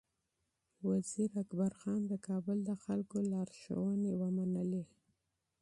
وزیر اکبر خان د کابل د خلکو لارښوونې ومنلې.